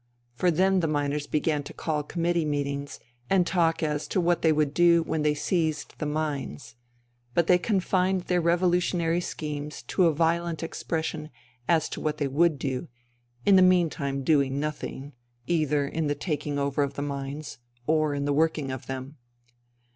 For then the miners began to call committee meetings and talk as to what they would do when they seized the mines ; but they confined their revolutionary schemes to a violent expression as to what they would do, in the meantime doing nothing, either in the taking over of the mines or in the working of them.